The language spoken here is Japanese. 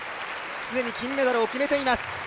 既に金メダルを決めています。